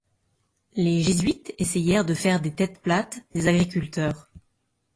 Les jésuites essayèrent de faire des Têtes-Plates des agriculteurs.